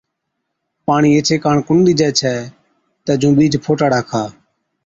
پاڻِي ايڇي ڪاڻ ڪونهِي ڏِجَي ڇَي تہ جُون ٻِيج ڦوٽاڙا کا۔